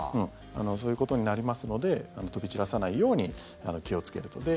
そういうことになりますので飛び散らさないように気をつけると。